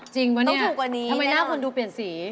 จริงป่ะนี่ทำไมหน้าคุณดูเปลี่ยนสี